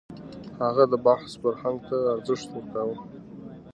هغه د بحث فرهنګ ته ارزښت ورکاوه.